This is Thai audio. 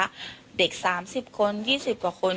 ทิ้งภาระเด็กสามสิบคนยี่สิบกว่าคน